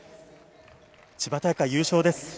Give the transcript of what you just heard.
千葉大会優勝です。